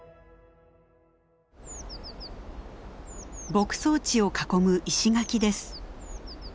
牧草地を囲む石垣です。